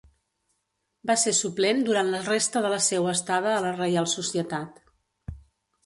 Va ser suplent durant la resta de la seua estada a la Reial Societat.